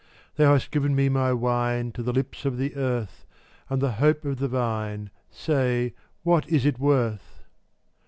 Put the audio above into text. Thou hast given my wine To the lips of the earth, And the hope of the Vine — Say, what is it worth?